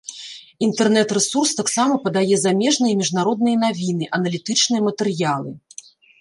Інтэрнэт-рэсурс таксама падае замежныя і міжнародныя навіны, аналітычныя матэрыялы.